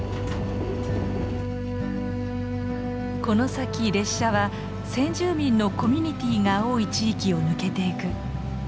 この先列車は先住民のコミュニティーが多い地域を抜けていく。